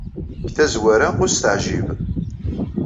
Deg tazwara, ur as-teɛjib.